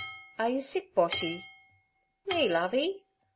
'Are you sick, Boshy?' 'Me, Lovey?